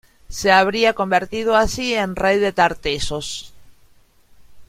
Se habría convertido así en rey de Tartessos.